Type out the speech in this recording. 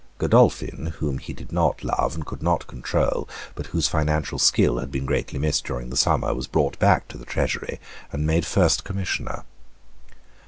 Godolphin, whom he did not love, and could not control, but whose financial skill had been greatly missed during the summer, was brought back to the Treasury, and made First Commissioner.